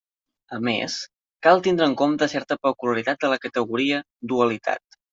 A més, cal tindre en compte certa peculiaritat de la categoria «dualitat».